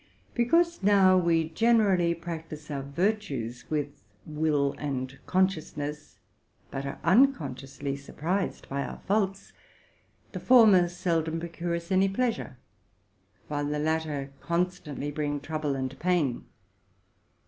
Because, now, we generally practise our virtues with will and consciousness, but are unconsciously surprised by our faults, the former seldom procure us any pleasure, while the latter constantly bring trouble and pain.